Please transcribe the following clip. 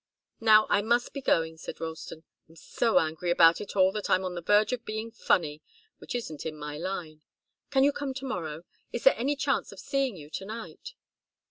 "Now I must be going," said Ralston. "I'm so angry about it all that I'm on the verge of being funny, which isn't in my line. Can you come to morrow? Is there any chance of seeing you to night?"